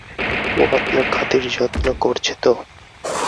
ও আপনার খাতির-যত্ন করছে তো?